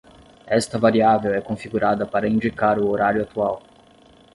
Esta variável é configurada para indicar o horário atual.